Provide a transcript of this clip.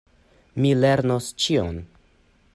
Mi lernos ĉion.